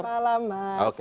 selamat malam mas indra